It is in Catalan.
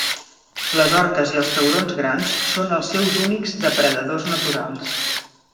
Les orques i els taurons grans són els seus únics depredadors naturals.